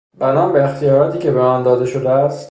بنا به اختیاراتی که به من داده شده است...